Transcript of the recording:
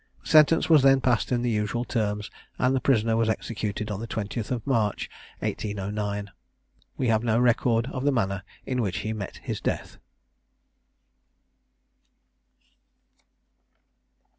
Sentence was then passed in the usual terms, and the prisoner was executed on the 20th of March 1809. We have no record of the manner in which he met his death.